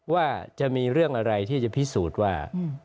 ว่าจะมีเรื่องอะไรที่จะพิสูจน์ว่า